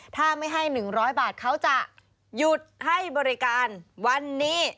ถ้าไม่ให้๑๐๐บาทเขาจะหยุดให้บริการวันนี้